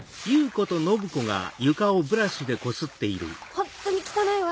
ホントに汚いわ。